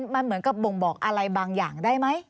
มันเหมือนกับบ่งบอกอะไรบางอย่างได้ไหม